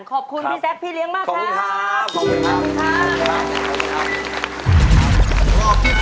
ขอบคุณพี่แซ็คพี่เลี้ยงมากครับขอบคุณครับขอบคุณครับ